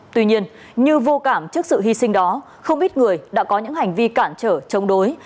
tuy nhiên như vô cảm trước sự hy sinh đó không ít người đã có những hành vi cản trở chống đối